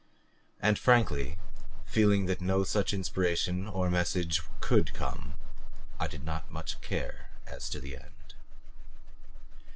And, frankly, feeling that no such inspiration or message could come, I did not much care as to the end.